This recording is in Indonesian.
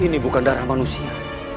ini bukan darah manusia